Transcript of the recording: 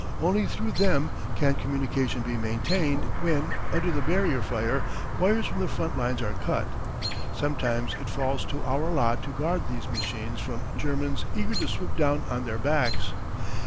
Only through them can communication be maintained when, under the barrier fire, wires from the front lines are cut. Sometimes it falls to our lot to guard these machines from Germans eager to swoop down on their backs.